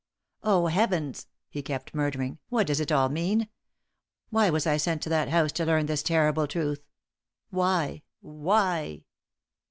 "Oh Heavens!" he kept murmuring. "What does it all mean? Why was I sent to that house to learn this terrible truth? Why? Why?"